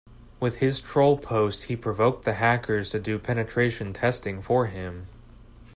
With his troll post he provoked the hackers to do penetration testing for him.